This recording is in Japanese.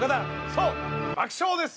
そう「爆笑」です！